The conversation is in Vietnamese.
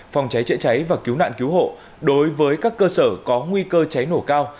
phòng cháy chữa cháy và cứu nạn cứu hộ đối với các cơ sở có nguy cơ cháy nổ cao